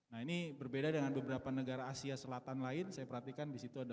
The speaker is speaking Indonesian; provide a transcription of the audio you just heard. nah ini berbeda dengan beberapa negara asia selatan lain saya perhatikan di situ ada